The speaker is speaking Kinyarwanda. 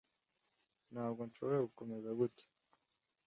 Ntabwo nshobora gukomeza gutya.